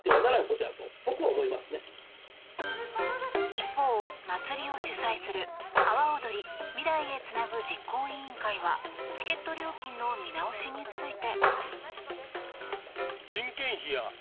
一方、祭りを主催する阿波おどり未来へつなぐ実行委員会はチケット料金の見直しについて。